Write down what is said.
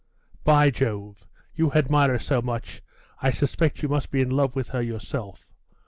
'By Jove! you admire her so much, I suspect you must be in love with her yourself.